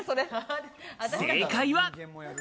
正解は。